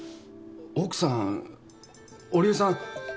奥さん織江さん